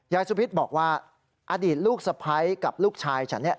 สุพิษบอกว่าอดีตลูกสะพ้ายกับลูกชายฉันเนี่ย